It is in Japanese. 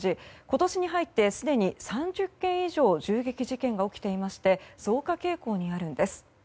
今年に入ってすでに３０件以上銃撃事件が起きていまして増加傾向にあるんです。